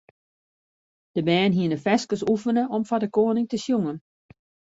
De bern hiene ferskes oefene om foar de koaning te sjongen.